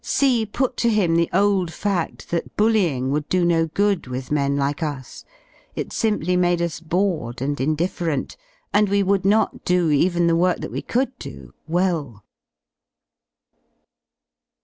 C put to him the old fadl that bullying would do no good with men like us, it simply made us bored and indifferent, and we would not do even the work that we could do, well.